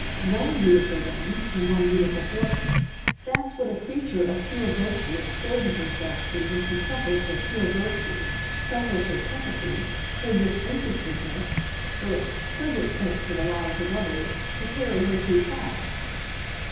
One beautiful woman and one beautiful fortune. That's what a creature of pure virtue exposes herself to when she suffers her pure virtue, suffers her sympathy, her disinterestedness, her exquisite sense for the lives of others, to carry her too far.